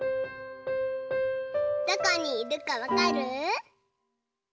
どこにいるかわかる？